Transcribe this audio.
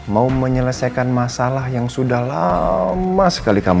masalah apa lagi sal